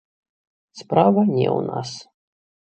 Справа не ў нас.